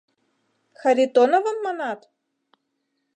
— Харитоновым манат?